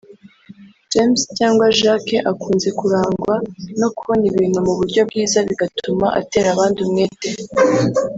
James cyangwa Jacques akunze kurangwa no kubona ibintu mu buryo bwiza bigatuma atera abandi umwete